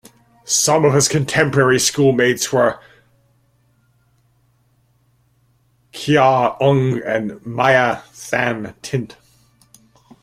Some of his contemporary school mates were Kyaw Aung and Mya Than Tint.